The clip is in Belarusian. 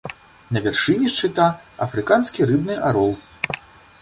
На вяршыні шчыта афрыканскі рыбны арол.